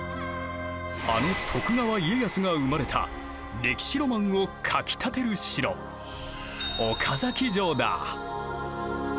あの徳川家康が生まれた歴史ロマンをかきたてる城岡崎城だ。